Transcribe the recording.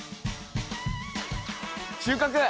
収穫！